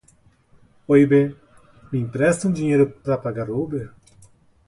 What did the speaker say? Oi bê, me empresta um dinheiro pra pagar o Uber?